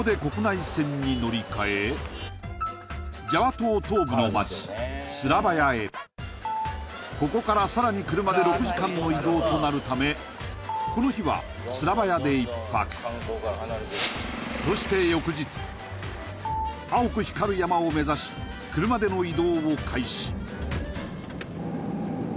そこでジャワ島東部の町スラバヤへここからさらに車で６時間の移動となるためこの日はそして翌日青く光る山を目指し車での移動を開始